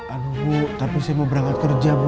aduh bu tapi saya mau berangkat kerja bu